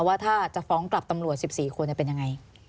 ว่าถ้าจะฟ้องกลับตำรวจ๑๔คนเป็นยังไง